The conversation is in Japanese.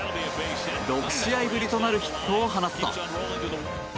６試合ぶりとなるヒットを放つと。